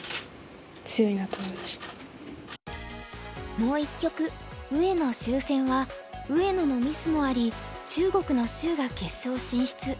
もう１局上野・周戦は上野のミスもあり中国の周が決勝進出。